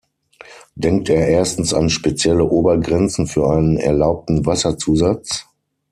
Denkt er erstens an spezielle Obergrenzen für einen erlaubten Wasserzusatz?